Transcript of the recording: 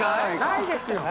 ないですよ！